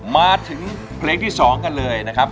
มาถึงเพลงที่๒กันเลยนะครับ